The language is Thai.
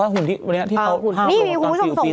หุ่นที่เขาห้ามตอนที่อยู่ปี๒